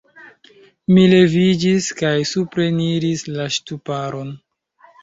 Mi leviĝis kaj supreniris la ŝtuparon.